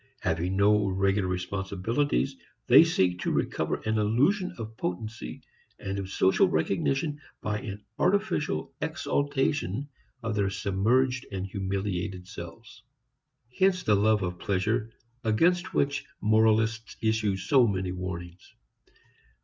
Having no regular responsibilities, they seek to recover an illusion of potency and of social recognition by an artificial exaltation of their submerged and humiliated selves. Hence the love of pleasure against which moralists issue so many warnings.